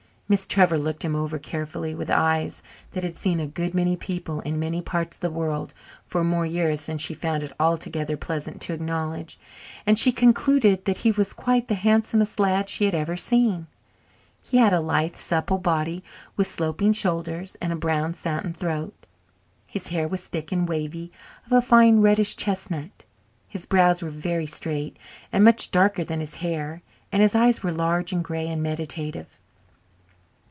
Miss Trevor looked him over carefully with eyes that had seen a good many people in many parts of the world for more years than she found it altogether pleasant to acknowledge, and she concluded that he was quite the handsomest lad she had ever seen. He had a lithe, supple body, with sloping shoulders and a brown, satin throat. His hair was thick and wavy, of a fine reddish chestnut; his brows were very straight and much darker than his hair; and his eyes were large and grey and meditative.